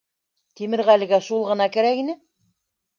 Тимерғәлегә шул ғына көрәк ине.